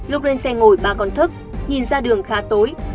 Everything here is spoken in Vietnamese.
lúc lên xe ngồi bà còn thức nhìn ra đường khá tối